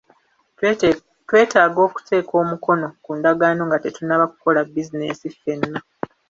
Twetaaga okuteeka omukono ku ndagaano nga tetunnaba kukola bizinesi ffenna.